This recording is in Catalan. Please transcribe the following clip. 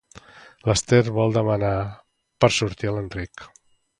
L'Ester vol demanar per sortir a l'Enric.